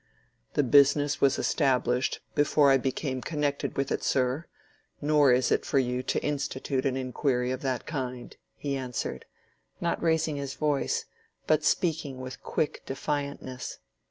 "The business was established before I became connected with it, sir; nor is it for you to institute an inquiry of that kind," he answered, not raising his voice, but speaking with quick defiantness.